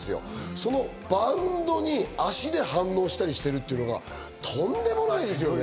そのバウンドに脚で反応したりしてるってのがとんでもないですよね。